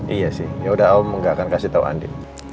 iya sih yaudah om gak akan kasih tahu andi